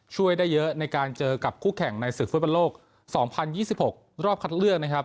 ช่วยได้เยอะในการเจอกับคู่แข่งในศึกฟุตประโลกสองพันยี่สิบหกรอบคัตเลือกนะครับ